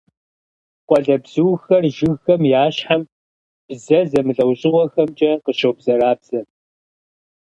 Къуалэбзухэр жыгхэм я щхьэм бзэ зэмылӀэужьыгъуэхэмкӀэ къыщобзэрабзэ.